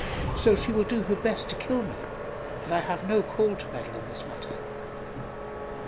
So she will do her best to kill me, and I have no call to meddle in this matter."